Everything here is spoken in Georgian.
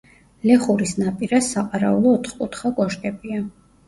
ლეხურის ნაპირას, საყარაულო ოთხკუთხა კოშკებია.